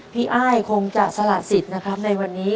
อ้ายคงจะสละสิทธิ์นะครับในวันนี้